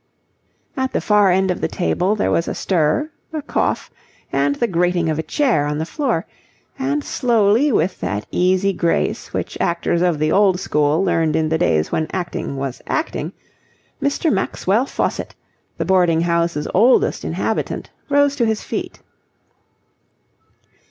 At the far end of the table there was a stir, a cough, and the grating of a chair on the floor; and slowly, with that easy grace which actors of the old school learned in the days when acting was acting, Mr. Maxwell Faucitt, the boarding house's oldest inhabitant, rose to his feet.